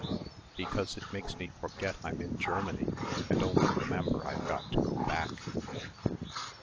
_" "Because it makes me forget I'm in Germany and only remember I've got to go back."